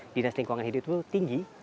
dinas lingkungan hidup itu tinggi